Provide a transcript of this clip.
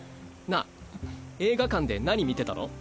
なあ映画館で何見てたの？